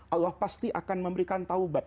allah pasti akan memberikan taubat